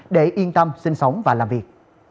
để yên tâm sinh sống và làm việc